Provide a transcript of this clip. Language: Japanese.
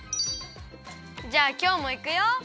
じゃあきょうもいくよ！